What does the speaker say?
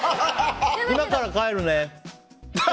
今から帰るね。